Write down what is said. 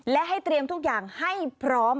และให้เตรียมทุกอย่างให้พร้อม